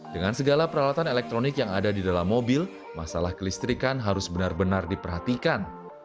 dengan segala peralatan elektronik yang ada di dalam mobil masalah kelistrikan harus benar benar diperhatikan